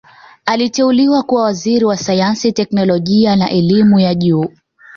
Aliteuliwa kuwa Waziri wa Sayansi Teknolojia na Elimu ya Juu